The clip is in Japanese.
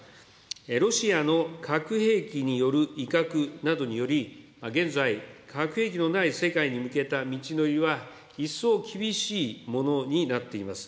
ロシアの核兵器による威嚇などにより、現在、核兵器のない世界に向けた道のりは一層厳しいものになっています。